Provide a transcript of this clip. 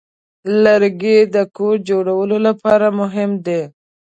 لرګی د کور جوړولو لپاره مهم دی.